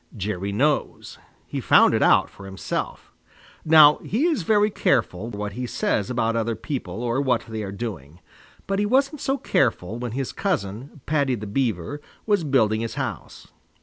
Jerry knows. He found it out for himself. Now he is very careful what he says about other people or what they are doing. But he wasn't so careful when his cousin, Paddy the Beaver, was building his house.